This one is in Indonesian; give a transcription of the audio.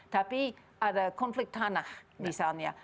tapi ada konflik tanah misalnya